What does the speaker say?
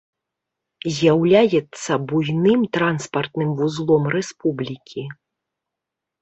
З'яўляецца буйным транспартным вузлом рэспублікі.